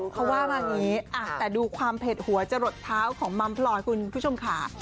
เขาว่ามาอย่างนี้แต่ดูความเผ็ดหัวจะหลดเท้าของมัมพลอยคุณผู้ชมค่ะ